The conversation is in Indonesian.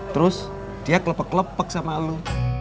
terus dia kelepek kelepek sama lo